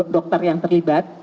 dokter yang terlibat